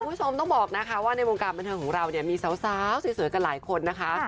คุณผู้ชมต้องบอกนะคะว่าในวงการบันเทิงของเราเนี่ยมีสาวสวยกันหลายคนนะคะ